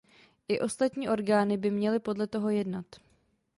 I ostatní orgány by měly podle toho jednat.